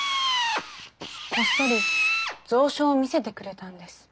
こっそり蔵書を見せてくれたんです。